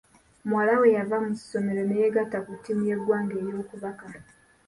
Muwala we yava mu ssomero ne yeegatta ku ttiimu y'eggwanga ey'okubaka.